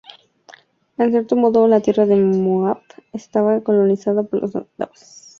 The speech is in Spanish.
En cierto modo, la tierra de Moab estaba colonizada por los nabateos.